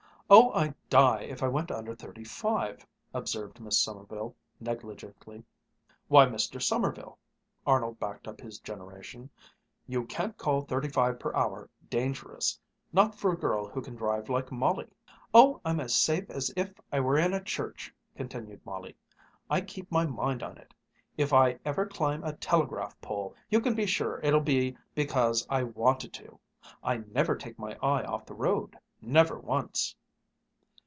"Oh, I'd die if I went under thirty five," observed Miss Sommerville negligently. "Why, Mr. Sommerville," Arnold backed up his generation. "You can't call thirty five per hour dangerous, not for a girl who can drive like Molly." "Oh, I'm as safe as if I were in a church," continued Molly. "I keep my mind on it. If I ever climb a telegraph pole you can be sure it'll be because I wanted to. I never take my eye off the road, never once."